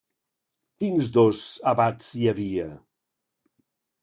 Quins dos abats hi havia?